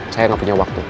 saya gak punya waktu